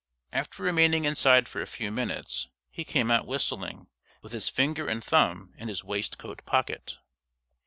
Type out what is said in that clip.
After remaining inside for a few minutes, he came out whistling, with his finger and thumb in his waistcoat pocket.